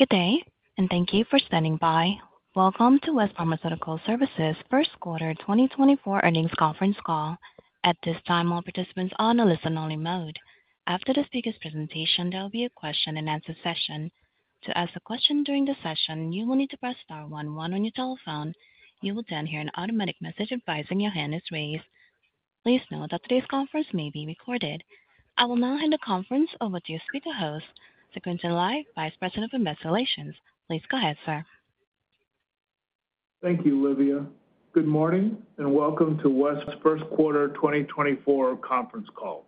Good day, and thank you for standing by. Welcome to West Pharmaceutical Services' Q1 2024 earnings conference call. At this time, all participants are on a listen-only mode. After the speaker's presentation, there will be a question-and-answer session. To ask a question during the session, you will need to press star 11 on your telephone. You will then hear an automatic message advising your hand is raised. Please note that today's conference may be recorded. I will now hand the conference over to your speaker host, Quintin Lai, Vice President of Investor Relations. Please go ahead, Sir. Thank you, Olivia. Good morning and welcome to West's Q1 2024 conference call.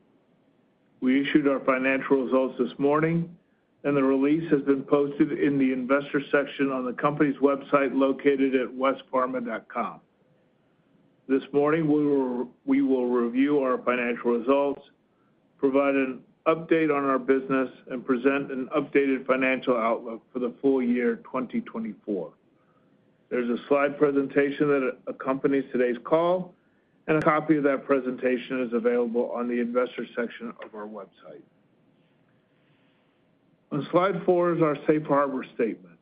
We issued our financial results this morning, and the release has been posted in the investor section on the company's website located at westpharma.com. This morning, we will review our financial results, provide an update on our business, and present an updated financial outlook for the full year 2024. There's a slide presentation that accompanies today's call, and a copy of that presentation is available on the investor section of our website. On Slide four is our safe harbor statement.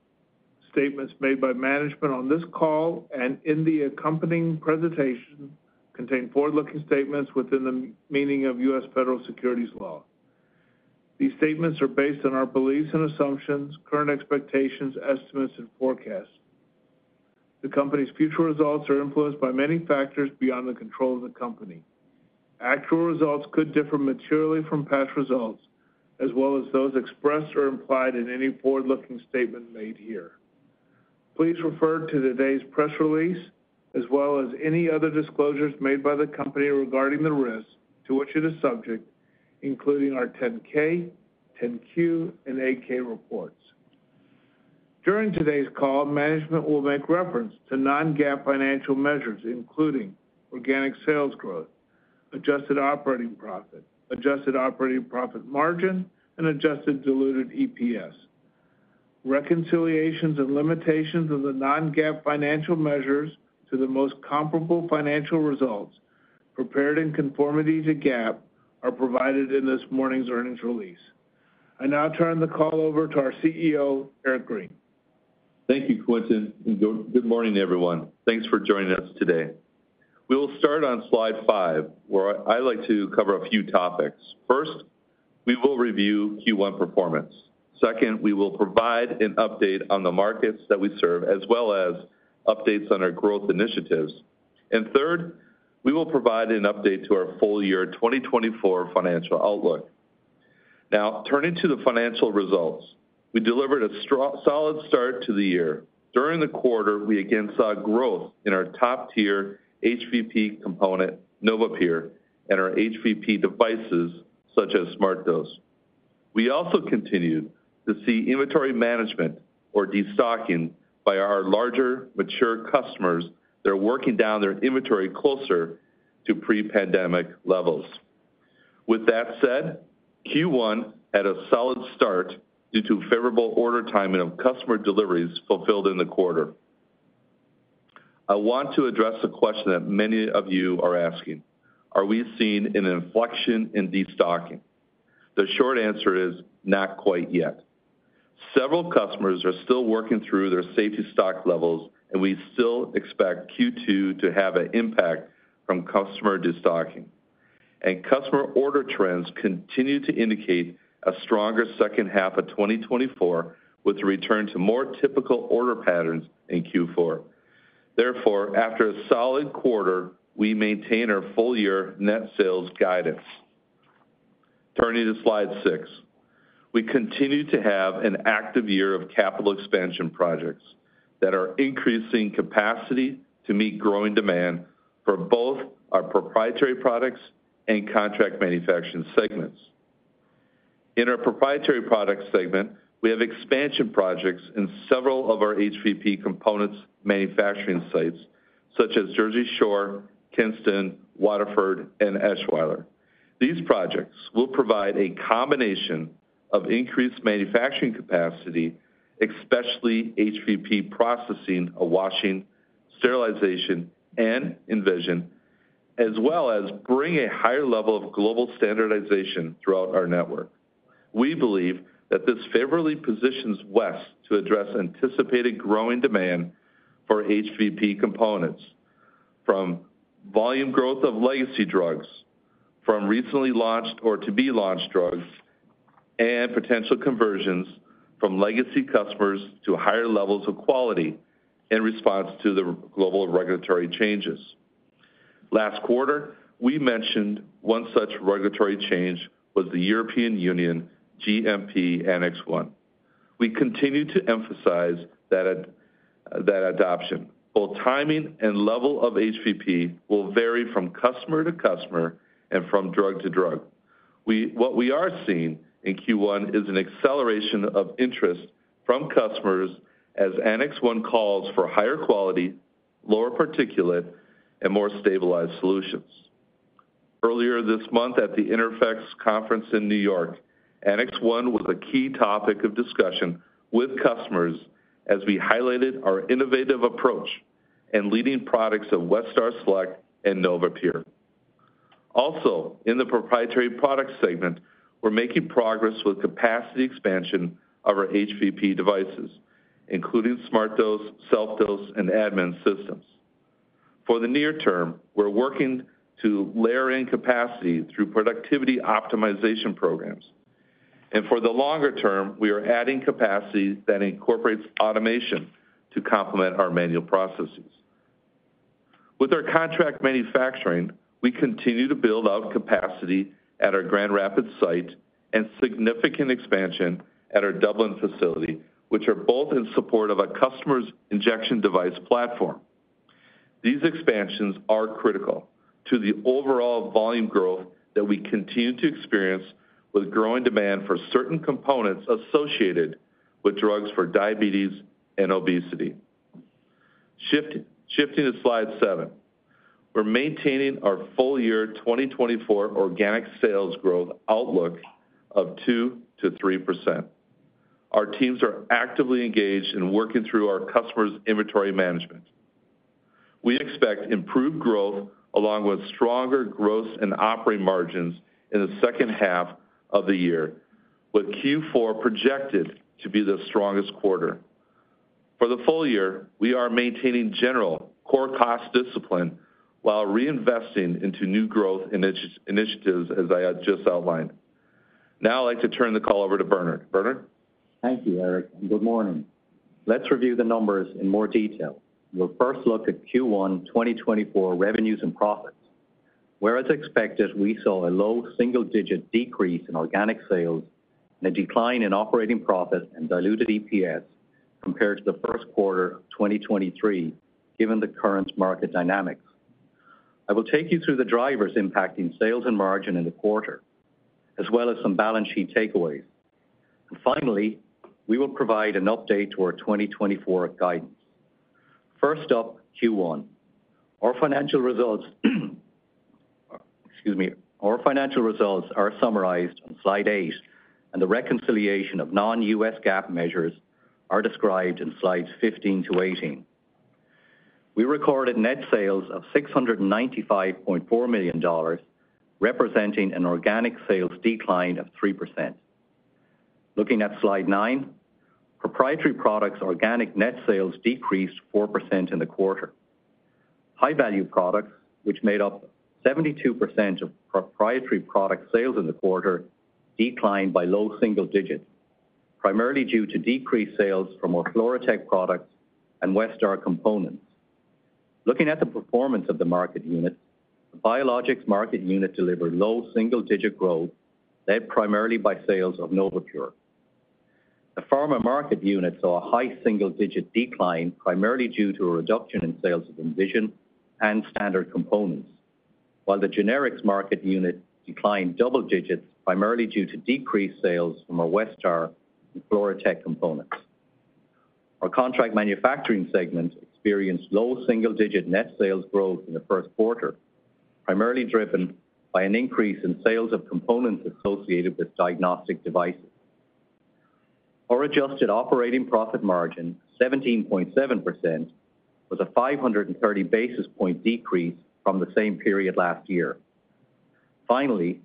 Statements made by management on this call and in the accompanying presentation contain forward-looking statements within the meaning of U.S. federal securities law. These statements are based on our beliefs and assumptions, current expectations, estimates, and forecasts. The company's future results are influenced by many factors beyond the control of the company. Actual results could differ materially from past results, as well as those expressed or implied in any forward-looking statement made here. Please refer to today's press release, as well as any other disclosures made by the company regarding the risks to which it is subject, including our 10-K, 10-Q, and 8-K reports. During today's call, management will make reference to non-GAAP financial measures, including organic sales growth, adjusted operating profit, adjusted operating profit margin, and adjusted diluted EPS. Reconciliations and limitations of the non-GAAP financial measures to the most comparable financial results prepared in conformity to GAAP are provided in this morning's earnings release. I now turn the call over to our CEO, Eric Green. Thank you, Quintin. Good morning, everyone. Thanks for joining us today. We will start on Slide five, where I like to cover a few topics. First, we will review Q1 performance. Second, we will provide an update on the markets that we serve, as well as updates on our growth initiatives. Third, we will provide an update to our full year 2024 financial outlook. Now, turning to the financial results, we delivered a solid start to the year. During the quarter, we again saw growth in our top-tier HVP component, NovaPure, and our HVP devices such as SmartDose. We also continued to see inventory management, or destocking, by our larger, mature customers. They're working down their inventory closer to pre-pandemic levels. With that said, Q1 had a solid start due to favorable order timing of customer deliveries fulfilled in the quarter. I want to address a question that many of you are asking: Are we seeing an inflection in destocking? The short answer is not quite yet. Several customers are still working through their safety stock levels, and we still expect Q2 to have an impact from customer destocking. Customer order trends continue to indicate a stronger second half of 2024, with a return to more typical order patterns in Q4. Therefore, after a solid quarter, we maintain our full-year net sales guidance. Turning to Slide six, we continue to have an active year of capital expansion projects that are increasing capacity to meet growing demand for both our proprietary products and contract manufacturing segments. In our proprietary products segment, we have expansion projects in several of our HVP components manufacturing sites, such as Jersey Shore, Kinston, Waterford, and Eschweiler. These projects will provide a combination of increased manufacturing capacity, especially HVP processing, washing, sterilization, and Envision, as well as bring a higher level of global standardization throughout our network. We believe that this favorably positions West to address anticipated growing demand for HVP components, from volume growth of legacy drugs, from recently launched or to be launched drugs, and potential conversions from legacy customers to higher levels of quality in response to the global regulatory changes. Last quarter, we mentioned one such regulatory change was the European Union GMP Annex 1. We continue to emphasize that adoption. Both timing and level of HVP will vary from customer to customer and from drug to drug. What we are seeing in Q1 is an acceleration of interest from customers as Annex 1 calls for higher quality, lower particulate, and more stabilized solutions. Earlier this month at the Interphex conference in New York, Annex 1 was a key topic of discussion with customers as we highlighted our innovative approach and leading products of Westar Select and NovaPure. Also, in the proprietary products segment, we're making progress with capacity expansion of our HVP devices, including SmartDose, SelfDose, and administration systems. For the near term, we're working to layer in capacity through productivity optimization programs. And for the longer term, we are adding capacity that incorporates automation to complement our manual processes. With our contract manufacturing, we continue to build out capacity at our Grand Rapids site and significant expansion at our Dublin facility, which are both in support of a customer's injection device platform. These expansions are critical to the overall volume growth that we continue to experience with growing demand for certain components associated with drugs for diabetes and obesity. Shifting to Slide seven, we're maintaining our full year 2024 organic sales growth outlook of 2%-3%. Our teams are actively engaged in working through our customers' inventory management. We expect improved growth along with stronger gross and operating margins in the second half of the year, with Q4 projected to be the strongest quarter. For the full year, we are maintaining general core cost discipline while reinvesting into new growth initiatives, as I just outlined. Now I'd like to turn the call over to Bernard. Bernard? Thank you, Eric, and good morning. Let's review the numbers in more detail. We'll first look at Q1 2024 revenues and profits. As expected, we saw a low single-digit decrease in organic sales and a decline in operating profit and diluted EPS compared to the Q1 of 2023, given the current market dynamics. I will take you through the drivers impacting sales and margin in the quarter, as well as some balance sheet takeaways. Finally, we will provide an update to our 2024 guidance. First up, Q1. Our financial results, excuse me, our financial results are summarized on Slide eight, and the reconciliation of non-GAAP measures are described in Slides 15 to Slide 18. We recorded net sales of $695.4 million, representing an organic sales decline of 3%. Looking at Slide nine, proprietary products organic net sales decreased 4% in the quarter. High-value products, which made up 72% of proprietary product sales in the quarter, declined by low single digits, primarily due to decreased sales from our FluroTec products and Westar components. Looking at the performance of the market units, the biologics market unit delivered low single-digit growth, led primarily by sales of NovaPure. The pharma market unit saw a high single-digit decline, primarily due to a reduction in sales of Envision and standard components, while the generics market unit declined double digits, primarily due to decreased sales from our Westar and FluroTec components. Our contract manufacturing segment experienced low single-digit net sales growth in the Q1, primarily driven by an increase in sales of components associated with diagnostic devices. Our adjusted operating profit margin, 17.7%, was a 530 basis point decrease from the same period last year. Finally,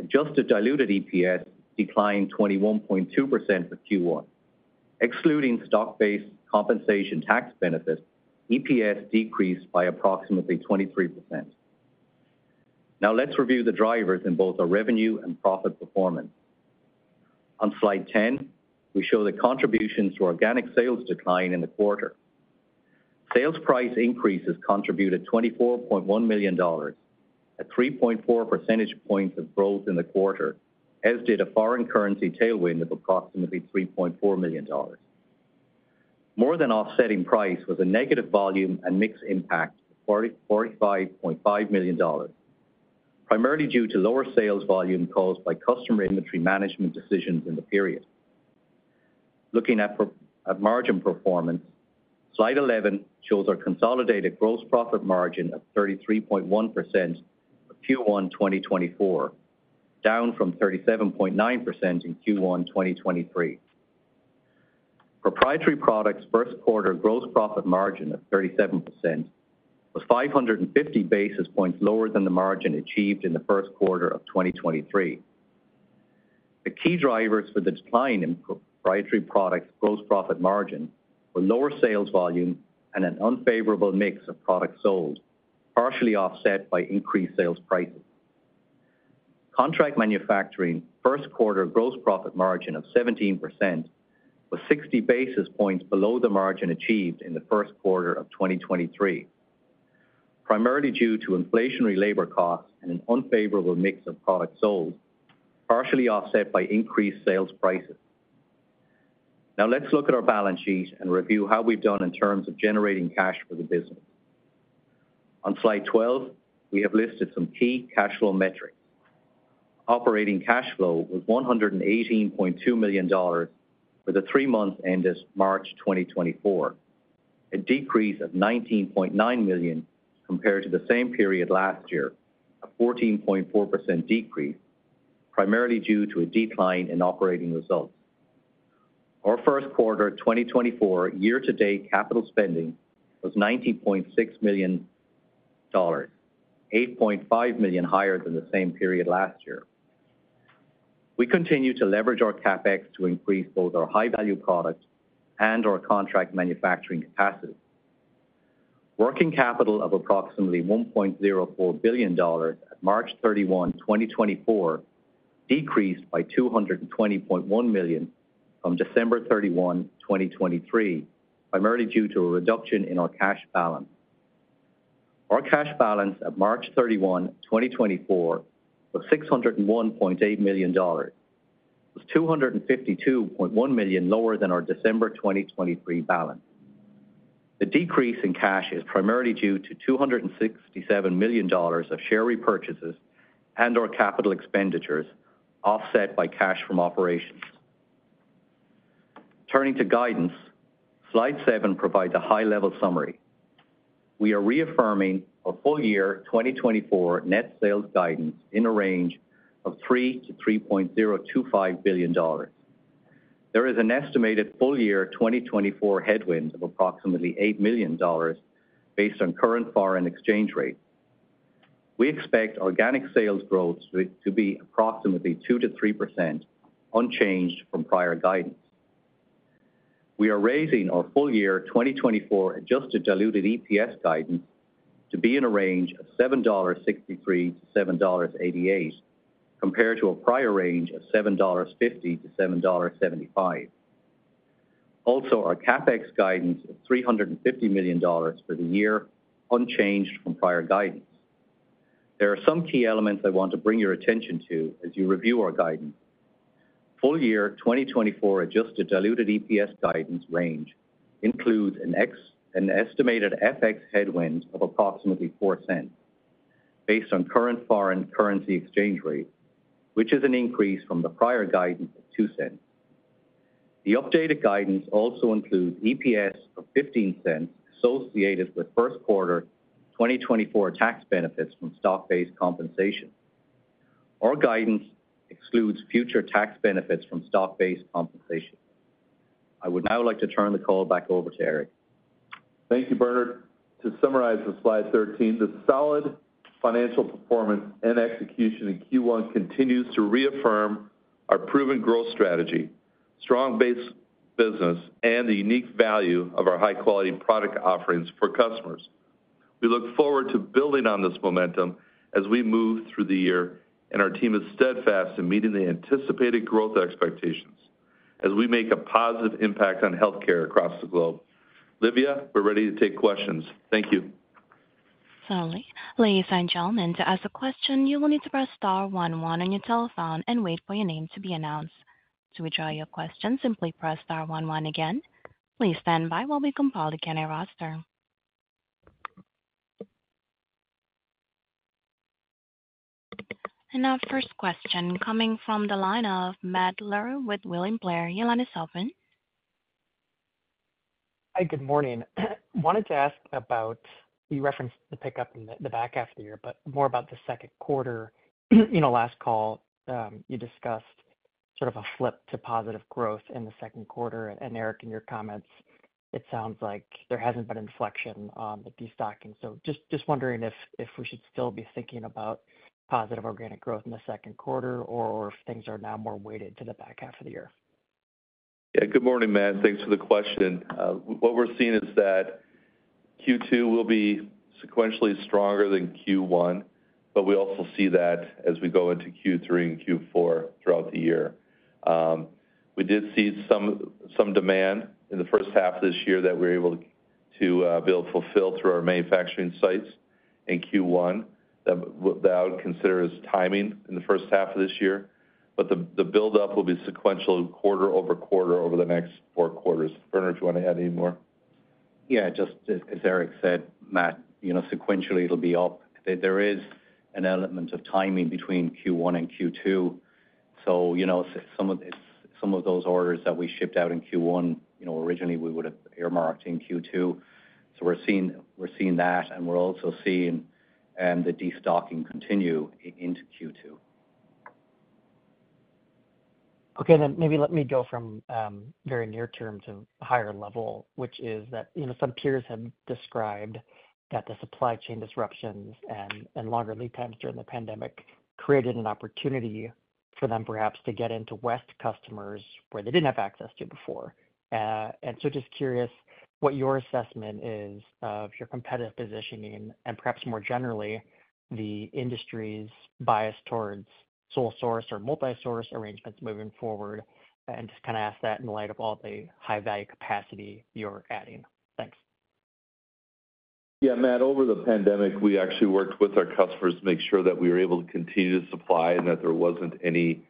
adjusted diluted EPS declined 21.2% for Q1. Excluding stock-based compensation tax benefit, EPS decreased by approximately 23%. Now let's review the drivers in both our revenue and profit performance. On Slide 10, we show the contributions to organic sales decline in the quarter. Sales price increases contributed $24.1 million, a 3.4 percentage points of growth in the quarter, as did a foreign currency tailwind of approximately $3.4 million. More than offsetting price was a negative volume and mix impact, $45.5 million, primarily due to lower sales volume caused by customer inventory management decisions in the period. Looking at margin performance, Slide 11 shows our consolidated gross profit margin of 33.1% for Q1 2024, down from 37.9% in Q1 2023. Proprietary products Q1 gross profit margin of 37% was 550 basis points lower than the margin achieved in the Q1 of 2023. The key drivers for the decline in proprietary products gross profit margin were lower sales volume and an unfavorable mix of products sold, partially offset by increased sales prices. Contract manufacturing Q1 gross profit margin of 17% was 60 basis points below the margin achieved in the Q1 of 2023, primarily due to inflationary labor costs and an unfavorable mix of products sold, partially offset by increased sales prices. Now let's look at our balance sheet and review how we've done in terms of generating cash for the business. On Slide 12, we have listed some key cash flow metrics. Operating cash flow was $118.2 million for the three months ended March 2024, a decrease of $19.9 million compared to the same period last year, a 14.4% decrease, primarily due to a decline in operating results. Our Q1 2024 year-to-date capital spending was $90.6 million, $8.5 million higher than the same period last year. We continue to leverage our CapEx to increase both our high-value product and our contract manufacturing capacity. Working capital of approximately $1.04 billion at March 31, 2024, decreased by $220.1 million from December 31, 2023, primarily due to a reduction in our cash balance. Our cash balance at March 31, 2024, was $601.8 million, was $252.1 million lower than our December 2023 balance. The decrease in cash is primarily due to $267 million of share repurchases and/or capital expenditures offset by cash from operations. Turning to guidance, Slide seven provides a high-level summary. We are reaffirming our full year 2024 net sales guidance in a range of $3 billion-$3.025 billion. There is an estimated full year 2024 headwind of approximately $8 million based on current foreign exchange rates. We expect organic sales growth to be approximately 2%-3% unchanged from prior guidance. We are raising our full year 2024 adjusted diluted EPS guidance to be in a range of $7.63-$7.88 compared to a prior range of $7.50-$7.75. Also, our CapEx guidance is $350 million for the year, unchanged from prior guidance. There are some key elements I want to bring your attention to as you review our guidance. Full year 2024 adjusted diluted EPS guidance range includes an estimated FX headwind of approximately $0.04 based on current foreign currency exchange rates, which is an increase from the prior guidance of $0.02. The updated guidance also includes EPS of $0.15 associated with Q1 2024 tax benefits from stock-based compensation. Our guidance excludes future tax benefits from stock-based compensation. I would now like to turn the call back over to Eric. Thank you, Bernard. To summarize on Slide 13, the solid financial performance and execution in Q1 continues to reaffirm our proven growth strategy, strong base business, and the unique value of our high-quality product offerings for customers. We look forward to building on this momentum as we move through the year, and our team is steadfast in meeting the anticipated growth expectations as we make a positive impact on healthcare across the globe. Olivia, we're ready to take questions. Thank you. Ladies and gentlemen, to ask a question. You will need to press star 11 on your telephone and wait for your name to be announced. To withdraw your question, simply press star 11 again. Please stand by while we compile the Q&A roster. Our first question coming from the line of Matt with William Blair. Your line is open. Hi, good morning. Wanted to ask about you referenced the pickup in the back half of the year, but more about the Q2. In our last call, you discussed sort of a flip to positive growth in the Q2. And Eric, in your comments, it sounds like there hasn't been inflection on the destocking. So just wondering if we should still be thinking about positive organic growth in the Q2 or if things are now more weighted to the back half of the year. Yeah, good morning, Matt. Thanks for the question. What we're seeing is that Q2 will be sequentially stronger than Q1, but we also see that as we go into Q3 and Q4 throughout the year. We did see some demand in the first half of this year that we were able to be able to fulfill through our manufacturing sites in Q1 that I would consider as timing in the first half of this year. But the buildup will be sequential quarter-over-quarter over the next four quarters. Bernard, do you want to add any more? Yeah, just as Eric said, Matt, sequentially it'll be up. There is an element of timing between Q1 and Q2. So some of those orders that we shipped out in Q1, originally we would have earmarked in Q2. So we're seeing that, and we're also seeing the destocking continue into Q2. Okay, then maybe let me go from very near-term to higher level, which is that some peers have described that the supply chain disruptions and longer lead times during the pandemic created an opportunity for them perhaps to get into West customers where they didn't have access to before. And so just curious what your assessment is of your competitive positioning and perhaps more generally the industry's bias towards sole source or multi-source arrangements moving forward, and just kind of ask that in light of all the high-value capacity you're adding. Thanks. Yeah, Matt, over the pandemic, we actually worked with our customers to make sure that we were able to continue to supply and that there wasn't any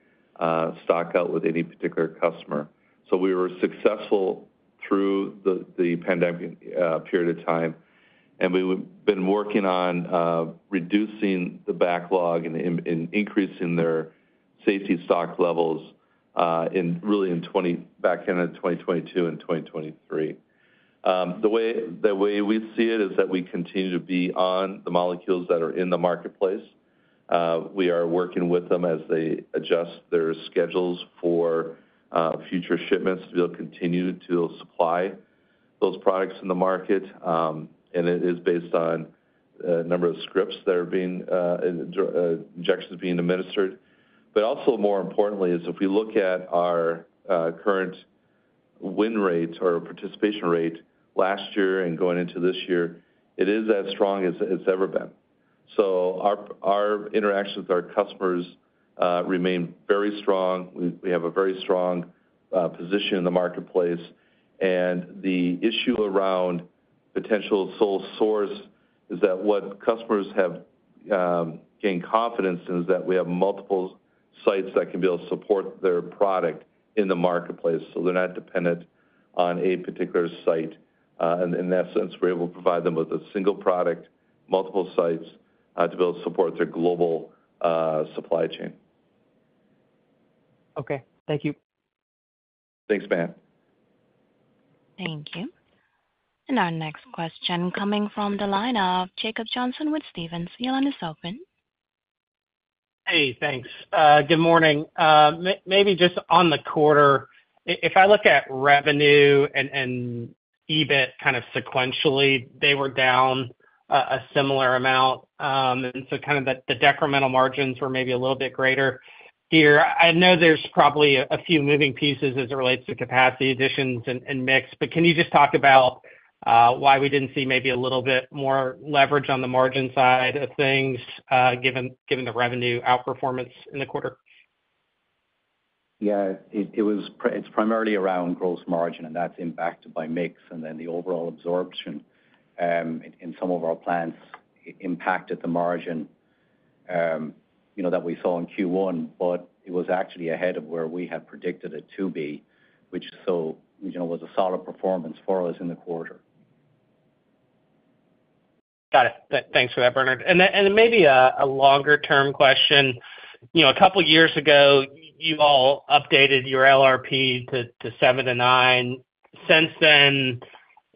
stockout with any particular customer. So we were successful through the pandemic period of time, and we've been working on reducing the backlog and increasing their safety stock levels really back end of 2022 and 2023. The way we see it is that we continue to be on the molecules that are in the marketplace. We are working with them as they adjust their schedules for future shipments to be able to continue to supply those products in the market. And it is based on the number of scripts that are being injections being administered. But also more importantly, is if we look at our current win rate or participation rate last year and going into this year, it is as strong as it's ever been. So our interactions with our customers remain very strong. We have a very strong position in the marketplace. And the issue around potential sole source is that what customers have gained confidence in is that we have multiple sites that can be able to support their product in the marketplace. So they're not dependent on a particular site. And in that sense, we're able to provide them with a single product, multiple sites to be able to support their global supply chain. Okay. Thank you. Thanks, Matt. Thank you. Our next question coming from the line of Jacob Johnson with Stephens. Your line is open. Hey, thanks. Good morning. Maybe just on the quarter, if I look at revenue and EBIT kind of sequentially, they were down a similar amount. And so kind of the decremental margins were maybe a little bit greater here. I know there's probably a few moving pieces as it relates to capacity additions and mix, but can you just talk about why we didn't see maybe a little bit more leverage on the margin side of things given the revenue outperformance in the quarter? Yeah, it's primarily around gross margin, and that's impacted by mix and then the overall absorption in some of our plants impacted the margin that we saw in Q1, but it was actually ahead of where we had predicted it to be, which so was a solid performance for us in the quarter. Got it. Thanks for that, Bernard. And then maybe a longer-term question. A couple of years ago, you all updated your LRP to 7 and 9. Since then,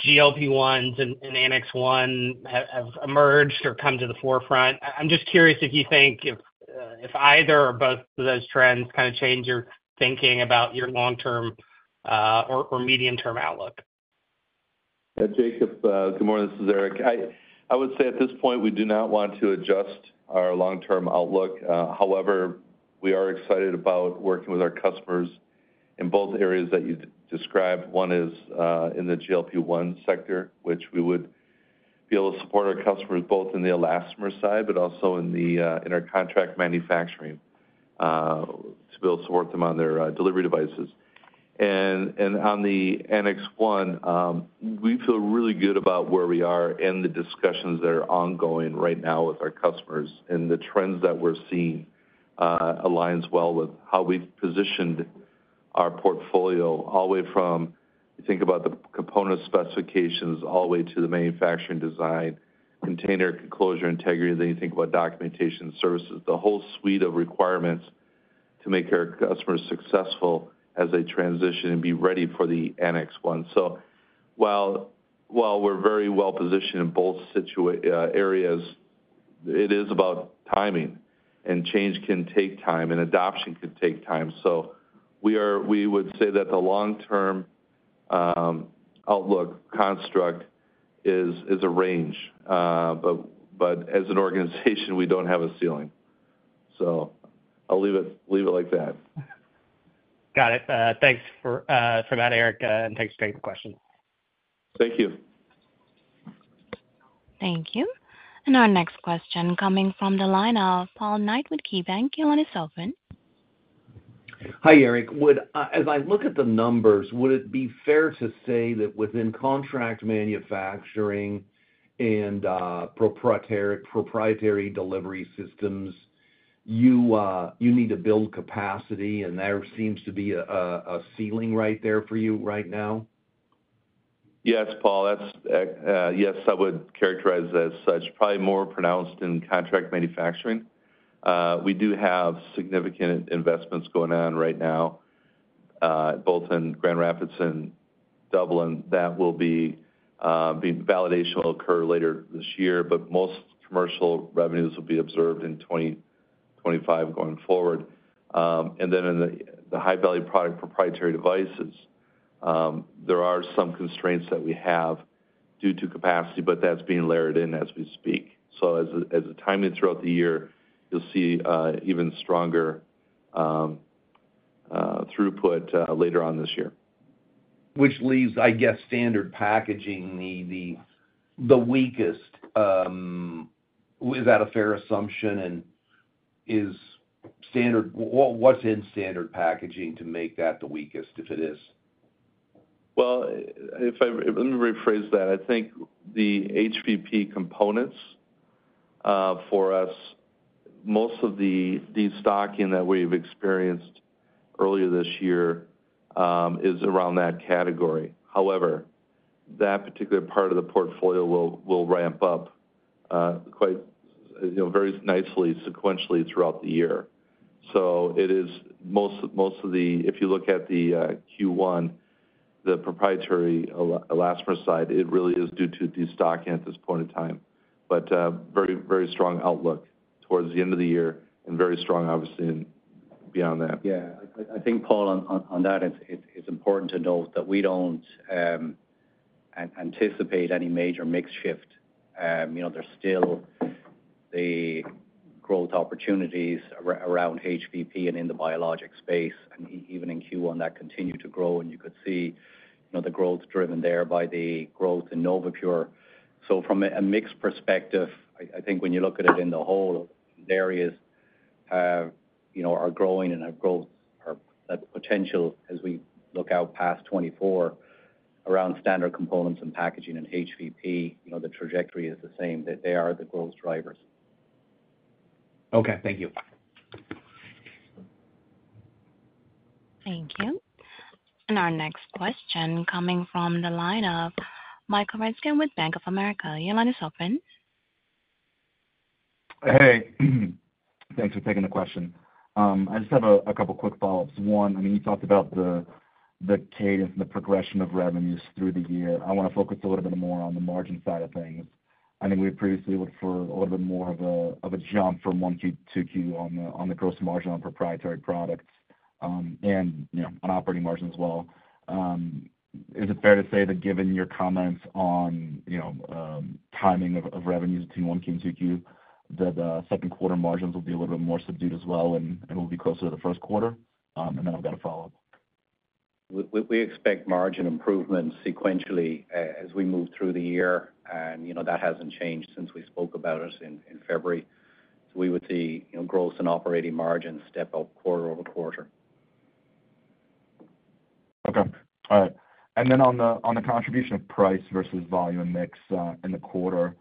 GLP-1s and Annex 1 have emerged or come to the forefront. I'm just curious if you think if either or both of those trends kind of change your thinking about your long-term or medium-term outlook. Yeah, Jacob, good morning. This is Eric. I would say at this point, we do not want to adjust our long-term outlook. However, we are excited about working with our customers in both areas that you described. One is in the GLP-1 sector, which we would be able to support our customers both in the elastomer side, but also in our contract manufacturing to be able to support them on their delivery devices. On the Annex 1, we feel really good about where we are and the discussions that are ongoing right now with our customers and the trends that we're seeing aligns well with how we've positioned our portfolio all the way from you think about the component specifications all the way to the manufacturing design, container closure integrity, then you think about documentation services, the whole suite of requirements to make our customers successful as they transition and be ready for the Annex 1. So while we're very well positioned in both areas, it is about timing. Change can take time, and adoption can take time. We would say that the long-term outlook construct is a range. But as an organization, we don't have a ceiling. I'll leave it like that. Got it. Thanks for that, Eric, and thanks for taking the question. Thank you. Thank you. Our next question coming from the line of Paul Knight with KeyBanc. Your line is open. Hi, Eric. As I look at the numbers, would it be fair to say that within contract manufacturing and proprietary delivery systems, you need to build capacity, and there seems to be a ceiling right there for you right now? Yes, Paul. Yes, I would characterize it as such. Probably more pronounced in contract manufacturing. We do have significant investments going on right now, both in Grand Rapids and Dublin. That validation will occur later this year, but most commercial revenues will be observed in 2025 going forward. And then in the high-value product proprietary devices, there are some constraints that we have due to capacity, but that's being layered in as we speak. So as the timing throughout the year, you'll see even stronger throughput later on this year. Which leaves, I guess, standard packaging the weakest. Is that a fair assumption? What's in standard packaging to make that the weakest if it is? Well, let me rephrase that. I think the HVP components for us, most of the de-stocking that we've experienced earlier this year is around that category. However, that particular part of the portfolio will ramp up quite very nicely, sequentially throughout the year. So it is most of the if you look at the Q1, the proprietary elastomer side, it really is due to de-stocking at this point in time. But very strong outlook towards the end of the year and very strong, obviously, beyond that. Yeah, I think, Paul, on that, it's important to note that we don't anticipate any major mix shift. There's still the growth opportunities around HVP and in the biologics space. And even in Q1, that continued to grow, and you could see the growth driven there by the growth in NovaPure. So from a mixed perspective, I think when you look at it in the whole, the areas are growing and have growth that potential as we look out past 2024 around standard components and packaging and HVP, the trajectory is the same. They are the growth drivers. Okay. Thank you. Thank you. Our next question coming from the line of Michael Ryskin with Bank of America. Your line is open. Hey. Thanks for taking the question. I just have a couple of quick follow-ups. One, I mean, you talked about the cadence and the progression of revenues through the year. I want to focus a little bit more on the margin side of things. I think we previously looked for a little bit more of a jump from Q1 to Q2 on the gross margin on proprietary products and on operating margin as well. Is it fair to say that given your comments on timing of revenues between Q1 and Q2, that the Q2 margins will be a little bit more subdued as well and will be closer to the Q1? And then I've got a follow-up. We expect margin improvements sequentially as we move through the year. That hasn't changed since we spoke about it in February. We would see gross and operating margins step up quarter-over-quarter. Okay. All right. And then on the contribution of price versus volume and mix in the quarter,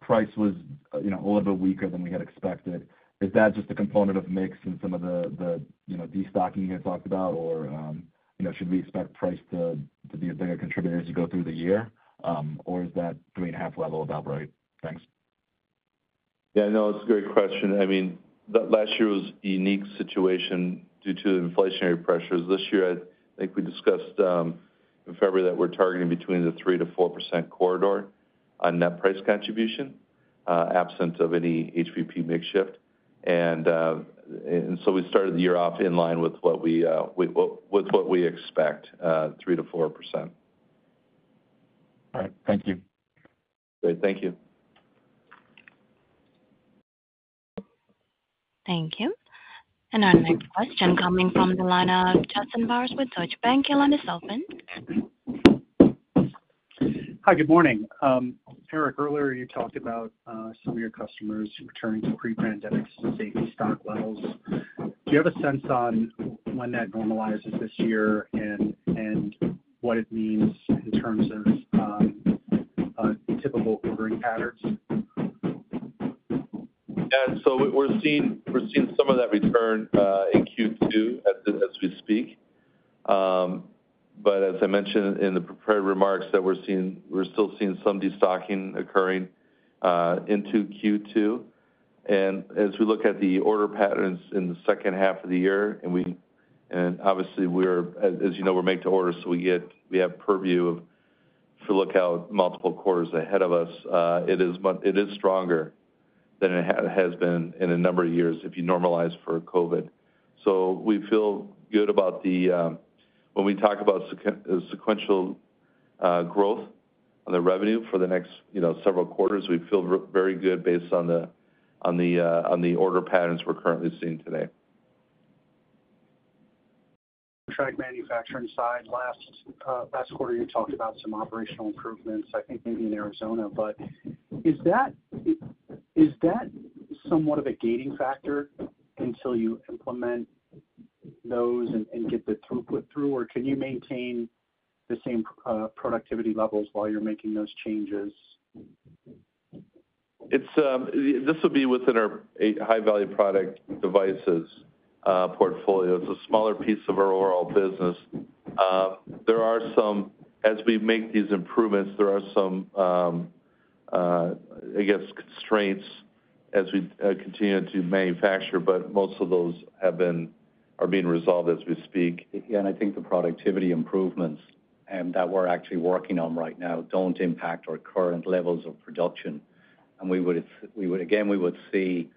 price was a little bit weaker than we had expected. Is that just a component of mix and some of the destocking you had talked about, or should we expect price to be a bigger contributor as you go through the year, or is that 3.5 level about right? Thanks. Yeah, no, it's a great question. I mean, last year was a unique situation due to inflationary pressures. This year, I think we discussed in February that we're targeting between the 3%-4% corridor on net price contribution absent of any HVP mix shift. And so we started the year off in line with what we expect, 3%-4%. All right. Thank you. Great. Thank you. Thank you. Our next question coming from the line of Justin Bowers with Deutsche Bank. Your line is open. Hi, good morning. Eric, earlier you talked about some of your customers returning to pre-pandemic safety stock levels. Do you have a sense on when that normalizes this year and what it means in terms of typical ordering patterns? Yeah, so we're seeing some of that return in Q2 as we speak. But as I mentioned in the prepared remarks that we're still seeing some destocking occurring into Q2. As we look at the order patterns in the second half of the year, and obviously, as you know, we're made to order, so we have purview to look out multiple quarters ahead of us, it is stronger than it has been in a number of years if you normalize for COVID. We feel good about the, when we talk about sequential growth on the revenue for the next several quarters, we feel very good based on the order patterns we're currently seeing today. Contract manufacturing side, last quarter, you talked about some operational improvements, I think maybe in Arizona, but is that somewhat of a gating factor until you implement those and get the throughput through, or can you maintain the same productivity levels while you're making those changes? This will be within our high-value product devices portfolio. It's a smaller piece of our overall business. There are some, as we make these improvements, I guess, constraints as we continue to manufacture, but most of those are being resolved as we speak. Yeah, and I think the productivity improvements that we're actually working on right now don't impact our current levels of production. Again, we would see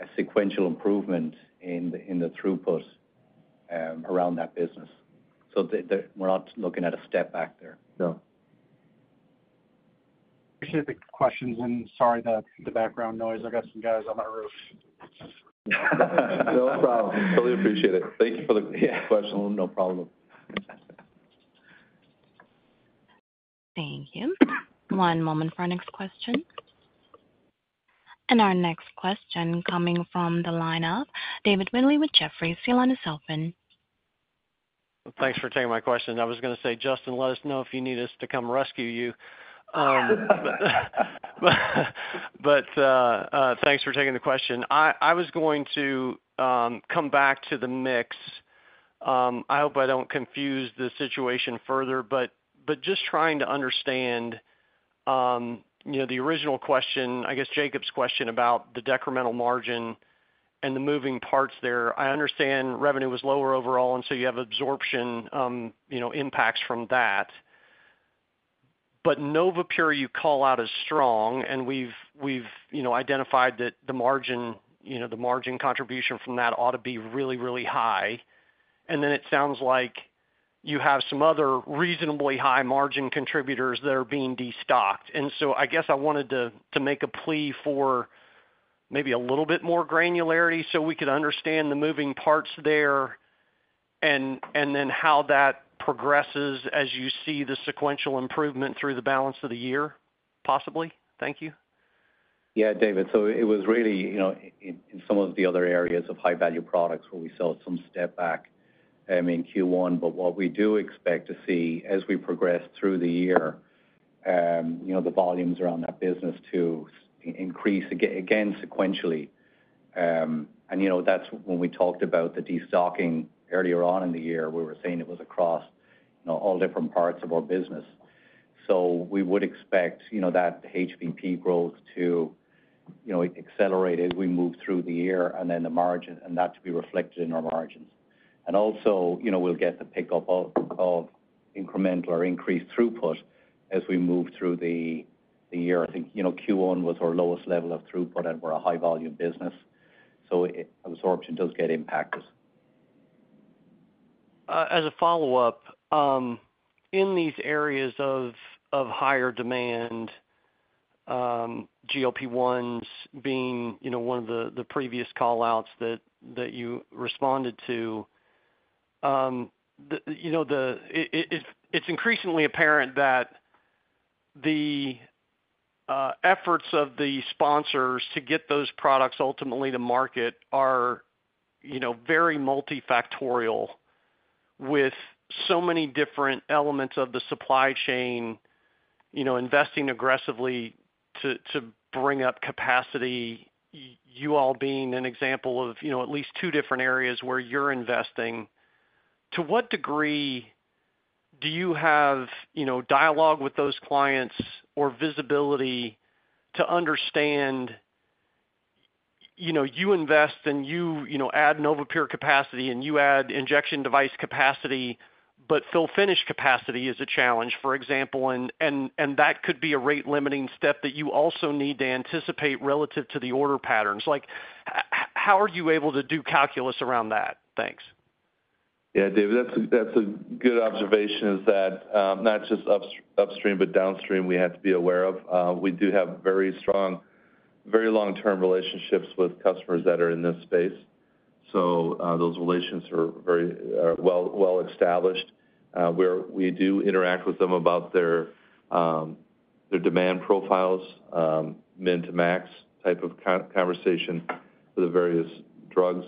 a sequential improvement in the throughput around that business. We're not looking at a step back there. No. Appreciate the questions. Sorry, the background noise. I got some guys on my roof. No problem. Totally appreciate it. Thank you for the question. No problem. Thank you. One moment for our next question. Our next question coming from the line of David Windley with Jefferies. Your line is open. Thanks for taking my question. I was going to say, Justin, let us know if you need us to come rescue you. But thanks for taking the question. I was going to come back to the mix. I hope I don't confuse the situation further, but just trying to understand the original question, I guess Jacob's question about the decremental margin and the moving parts there. I understand revenue was lower overall, and so you have absorption impacts from that. But NovaPure you call out as strong, and we've identified that the margin contribution from that ought to be really, really high. And then it sounds like you have some other reasonably high margin contributors that are being de-stocked. And so I guess I wanted to make a plea for maybe a little bit more granularity so we could understand the moving parts there and then how that progresses as you see the sequential improvement through the balance of the year, possibly. Thank you. Yeah, David. So it was really in some of the other areas of high-value products where we saw some step back in Q1, but what we do expect to see as we progress through the year, the volumes around that business to increase again sequentially. And that's when we talked about the destocking earlier on in the year. We were saying it was across all different parts of our business. So we would expect that HVP growth to accelerate as we move through the year and then the margin and that to be reflected in our margins. And also, we'll get the pickup of incremental or increased throughput as we move through the year. I think Q1 was our lowest level of throughput, and we're a high-volume business. So absorption does get impacted. As a follow-up, in these areas of higher demand, GLP-1s being one of the previous callouts that you responded to, it's increasingly apparent that the efforts of the sponsors to get those products ultimately to market are very multifactorial with so many different elements of the supply chain investing aggressively to bring up capacity. You all being an example of at least two different areas where you're investing. To what degree do you have dialogue with those clients or visibility to understand you invest and you add NovaPure capacity and you add injection device capacity, but fill-finish capacity is a challenge, for example, and that could be a rate-limiting step that you also need to anticipate relative to the order patterns? How are you able to do calculus around that? Thanks. Yeah, David, that's a good observation, is that not just upstream, but downstream, we have to be aware of. We do have very strong, very long-term relationships with customers that are in this space. So those relations are well-established. We do interact with them about their demand profiles, min to max type of conversation for the various drugs.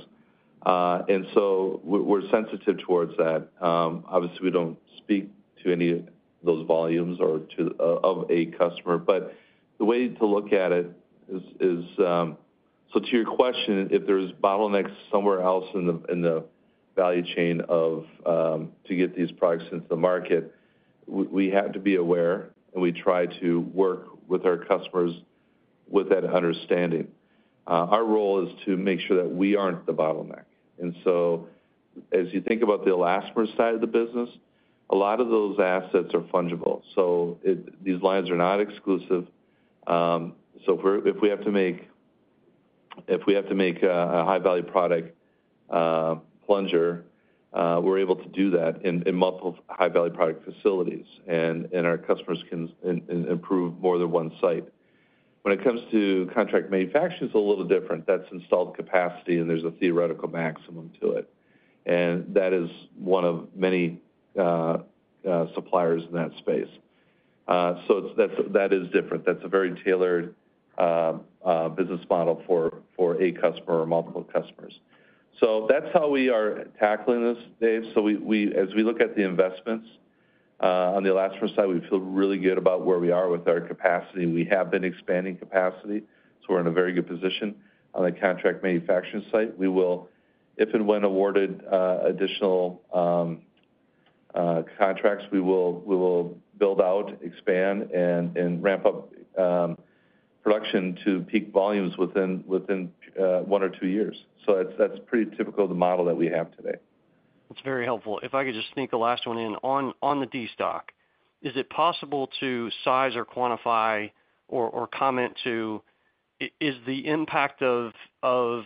And so we're sensitive towards that. Obviously, we don't speak to any of those volumes or of a customer. But the way to look at it is, so to your question, if there's bottlenecks somewhere else in the value chain to get these products into the market, we have to be aware, and we try to work with our customers with that understanding. Our role is to make sure that we aren't the bottleneck. As you think about the elastomer side of the business, a lot of those assets are fungible. These lines are not exclusive. If we have to make a high-value product plunger, we're able to do that in multiple high-value product facilities, and our customers can source from more than one site. When it comes to contract manufacturing, it's a little different. That's installed capacity, and there's a theoretical maximum to it. That is one of many suppliers in that space. That is different. That's a very tailored business model for a customer or multiple customers. That's how we are tackling this, Dave. As we look at the investments on the elastomer side, we feel really good about where we are with our capacity. We have been expanding capacity, so we're in a very good position. On the contract manufacturing site, if and when awarded additional contracts, we will build out, expand, and ramp up production to peak volumes within one or two years. So that's pretty typical of the model that we have today. That's very helpful. If I could just sneak the last one in. On the destocking, is it possible to size or quantify or comment on the impact of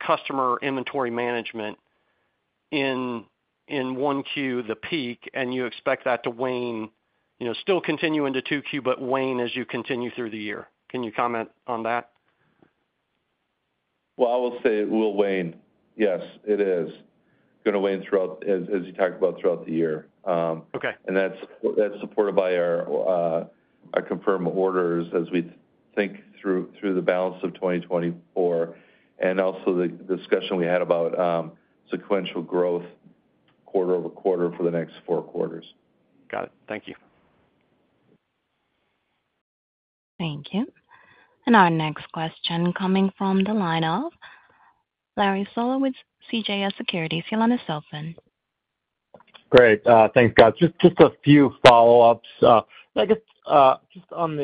customer inventory management in Q1 the peak, and you expect that to wane, still continue into Q2, but wane as you continue through the year? Can you comment on that? Well, I will say it will wane. Yes, it is going to wane as you talked about throughout the year. That's supported by our confirmed orders as we think through the balance of 2024 and also the discussion we had about sequential growth quarter-over-quarter for the next four quarters. Got it. Thank you. Thank you. Our next question coming from the line of Larry Solow with CJS Securities. Your line is open. Great. Thanks, guys. Just a few follow-ups. I guess just on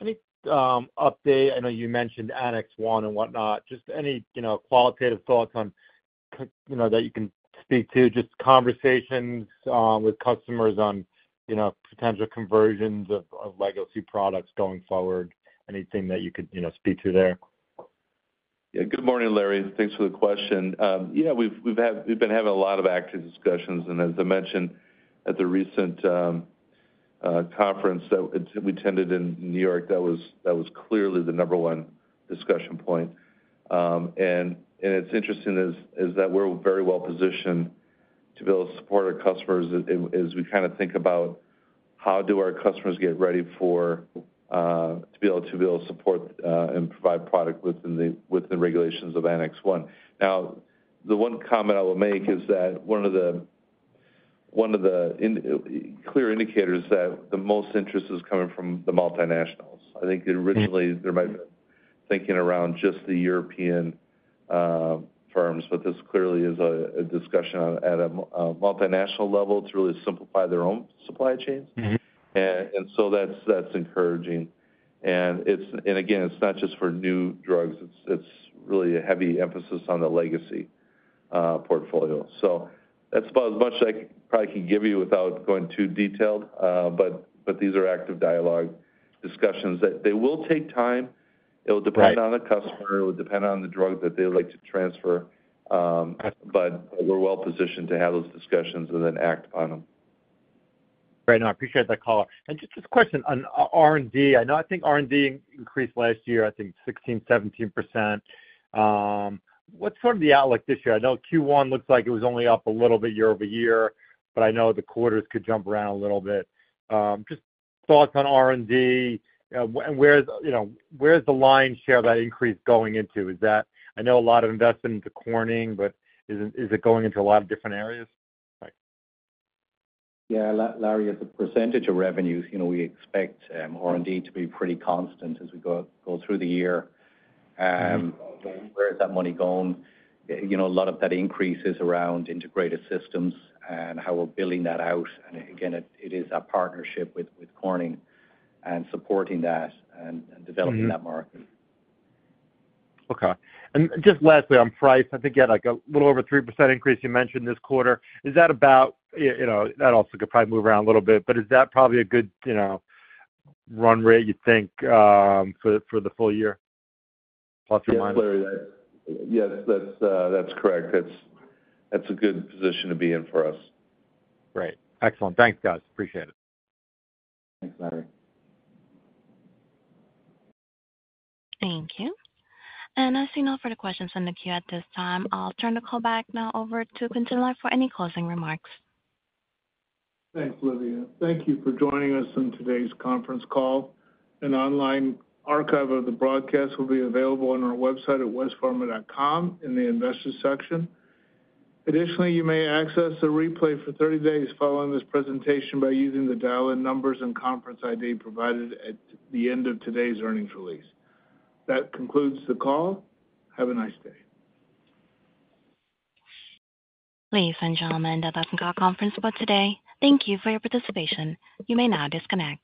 any update. I know you mentioned Annex 1 and whatnot. Just any qualitative thoughts that you can speak to, just conversations with customers on potential conversions of legacy products going forward, anything that you could speak to there. Yeah, good morning, Larry. Thanks for the question. Yeah, we've been having a lot of active discussions. And as I mentioned at the recent conference that we attended in New York, that was clearly the number one discussion point. And it's interesting is that we're very well positioned to be able to support our customers as we kind of think about how do our customers get ready to be able to support and provide product within the regulations of Annex 1. Now, the one comment I will make is that one of the clear indicators is that the most interest is coming from the multinationals. I think originally, there might have been thinking around just the European firms, but this clearly is a discussion at a multinational level to really simplify their own supply chains. And so that's encouraging. And again, it's not just for new drugs. It's really a heavy emphasis on the legacy portfolio. So that's about as much as I probably can give you without going too detailed, but these are active dialogue discussions that they will take time. It will depend on the customer. It will depend on the drug that they would like to transfer. But we're well positioned to have those discussions and then act upon them. Great. No, I appreciate that call-up. And just this question on R&D. I think R&D increased last year, I think, 16%-17%. What's sort of the outlook this year? I know Q1 looks like it was only up a little bit year-over-year, but I know the quarters could jump around a little bit. Just thoughts on R&D and where's the lion's share of that increase going into? I know a lot of investment into Corning, but is it going into a lot of different areas? Yeah, Larry, as a percentage of revenues, we expect R&D to be pretty constant as we go through the year. Where is that money going? A lot of that increase is around integrated systems and how we're billing that out. And again, it is our partnership with Corning and supporting that and developing that market. Okay. Just lastly on price, I think, yeah, a little over 3% increase you mentioned this quarter. Is that about that also could probably move around a little bit, but is that probably a good run rate, you think, for the full year? Plus or minus. Yes, Larry, that's correct. That's a good position to be in for us. Great. Excellent. Thanks, guys. Appreciate it. Thanks, Larry. Thank you. I see no further questions in the queue at this time. I'll turn the call back now over to Quintin Lai for any closing remarks. Thanks, Olivia. Thank you for joining us in today's conference call. An online archive of the broadcast will be available on our website at westpharma.com in the investor section. Additionally, you may access the replay for 30 days following this presentation by using the dial-in numbers and conference ID provided at the end of today's earnings release. That concludes the call. Have a nice day. Ladies and gentlemen, that's a conference call for today. Thank you for your participation. You may now disconnect.